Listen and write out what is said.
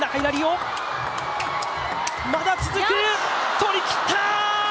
取り切った！